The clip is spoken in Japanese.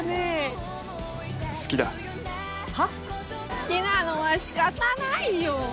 「好きなのは仕方ないよ」